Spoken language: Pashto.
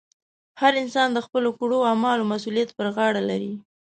هر انسان د خپلو کړو اعمالو مسؤلیت پر غاړه لري.